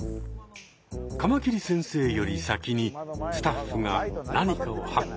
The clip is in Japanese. カマキリ先生より先にスタッフが何かを発見してしまったようだ。